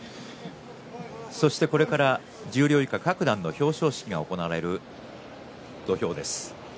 そして、これから十両以下各段の表彰式が行われる土俵です。